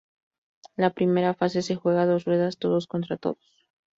La primera fase se juega dos ruedas, todos contra todos.